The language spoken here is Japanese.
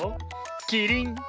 キリン！